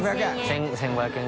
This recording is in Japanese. １５００円。